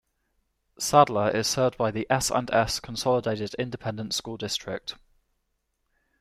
Sadler is served by the S and S Consolidated Independent School District.